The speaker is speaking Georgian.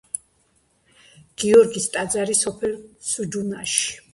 გიორგის ტაძარი, სოფელ სუჯუნაში.